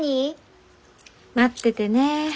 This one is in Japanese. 待っててね。